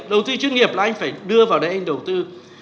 đầu tư chuyên nghiệp là anh phải đưa vào đấy anh đầu tư